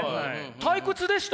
退屈でした？